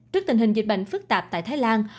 trước tình hình dịch bệnh phức tạp tại thái lan